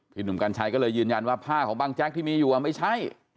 หนุ่มกัญชัยก็เลยยืนยันว่าผ้าของบางแจ๊กที่มีอยู่ไม่ใช่